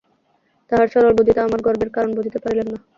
তাঁহার সরল বুদ্ধিতে আমার গর্বের কারণ বুঝিতে পারিলেন না।